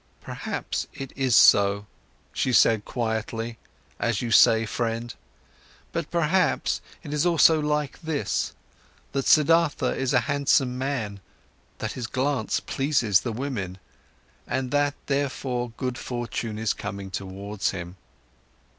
"Perhaps it is so," she said quietly, "as you say, friend. But perhaps it is also like this: that Siddhartha is a handsome man, that his glance pleases the women, that therefore good fortune is coming towards him."